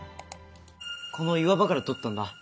この岩場から撮ったんだ。